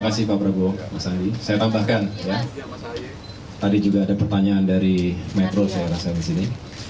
terima kasih pak prabowo mas andi saya tambahkan ya tadi juga ada pertanyaan dari metro saya rasa di sini